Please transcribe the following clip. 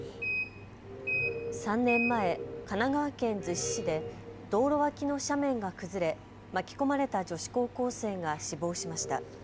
３年前、神奈川県逗子市で道路脇の斜面が崩れ巻き込まれた女子高校生が死亡しました。